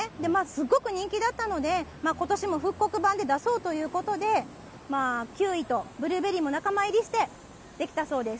すごく人気だったので、ことしも復刻版で出そうということで、キウイとブルーベリーも仲間入りして出来たそうです。